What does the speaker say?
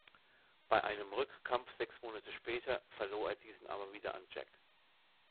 Bei einem Rückkampf sechs Monate später, verlor er diesen aber wieder an Jack.